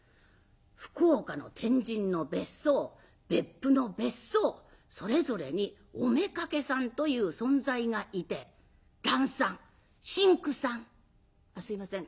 福岡の天神の別荘別府の別荘それぞれにおめかけさんという存在がいて蘭さん真紅さんあっすいません